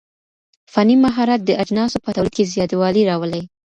فني مهارت د اجناسو په توليد کي زياتوالی راولي.